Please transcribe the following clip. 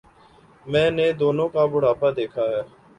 میں نے دونوں کا بڑھاپا دیکھا ہے۔